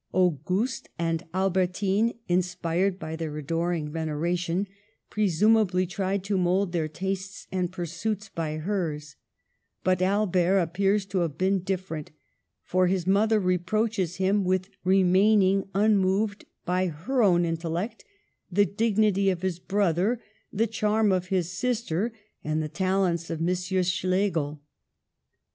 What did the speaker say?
Auguste and Albertine, inspired by their adoring veneration, presumably tried to mould their tastes and pursuits by hers; but Albert appears to have been different — for his mother reproaches him with remaining unmoved by her own intellect, the dignity of his brother, the charm of his sister, and the talents of M. Schlegel!